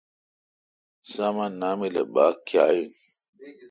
سامان نامل اؘ باگ کیااین۔